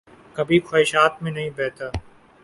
کبھی خواہشات میں نہیں بہتا